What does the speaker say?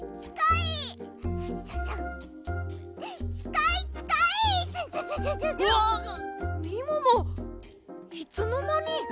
いつのまに？